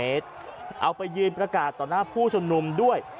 เอาไปยืนประกาศต่อหน้าผู้ชมนุมด้วย